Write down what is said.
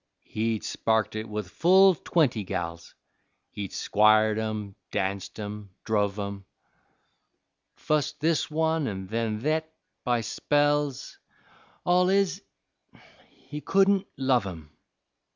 He'd sparked it with full twenty gals, He'd squired 'em, danced 'em, druv 'em, Fust this one, an' then thet, by spells All is, he couldn't love 'em.